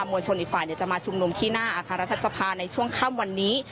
มวลชนิฝ่ายเนี่ยจะมาชุมนมที่หน้าอาทารณทรัพย์สะพานในช่วงค่ำวันนี้